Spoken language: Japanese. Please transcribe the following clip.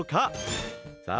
さあ